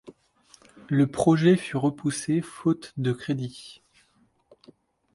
Le projet fut repoussé faute de crédits.